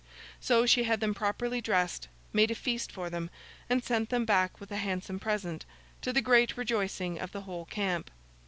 So she had them properly dressed, made a feast for them, and sent them back with a handsome present, to the great rejoicing of the whole camp.